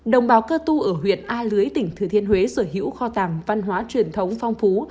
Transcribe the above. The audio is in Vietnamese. đồng bào cơ tu ở huyện a lưới tỉnh thừa thiên huế sở hữu kho tạng văn hóa truyền thống phong phú